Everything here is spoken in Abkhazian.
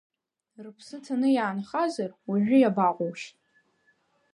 Рыԥсы ҭаны иаанхазар, уажәы иабаҟоушь?